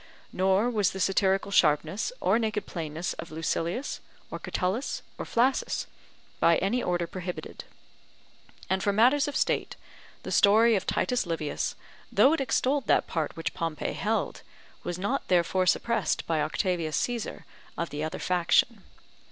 Nor was the satirical sharpness or naked plainness of Lucilius, or Catullus, or Flaccus, by any order prohibited. And for matters of state, the story of Titus Livius, though it extolled that part which Pompey held, was not therefore suppressed by Octavius Caesar of the other faction.